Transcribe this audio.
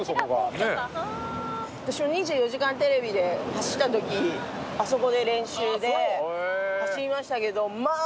私『２４時間テレビ』で走ったときあそこで練習で走りましたけどまあ